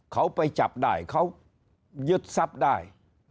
เขาไปจับได้เขายึดซับได้